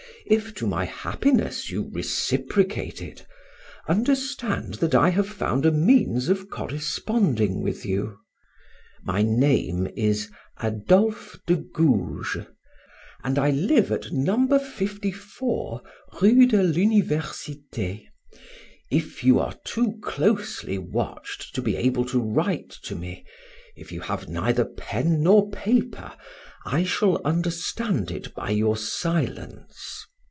If, to my happiness, you reciprocate it, understand that I have found a means of corresponding with you. My name is Adolphe de Gouges, and I live at No. 54 Rue de l'Universite. If you are too closely watched to be able to write to me, if you have neither pen nor paper, I shall understand it by your silence.